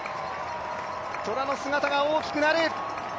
トラの姿が大きくなる。